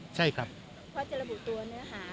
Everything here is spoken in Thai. รับการคุ้มคลองทางกฎหมายด้วยใช่ครับใช่ครับพ่อเจรบุตัวเนื้อหา